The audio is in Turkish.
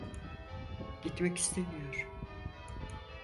Gitmek istemiyor.